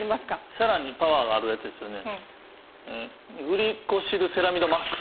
さらにパワーがあるやつですよね？